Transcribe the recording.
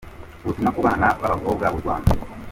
Ubutumwa ku bana b’abakobwa b’u Rwanda